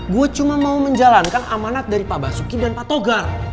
gue cuma mau menjalankan amanat dari pak basuki dan pak togar